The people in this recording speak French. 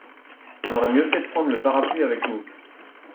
On aurait mieux fait de prendre le parapluie avec nous.